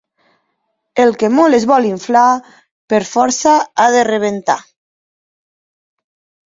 El que molt es vol inflar, per força ha de rebentar.